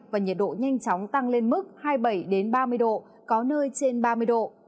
và nhiệt độ nhanh chóng tăng lên mức hai mươi bảy ba mươi độ có nơi trên ba mươi độ